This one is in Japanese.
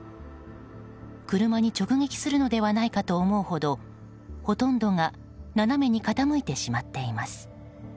車に直撃するのではないかと思うほどほとんどが斜めに傾いてしまっています。